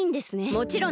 もちろんだ！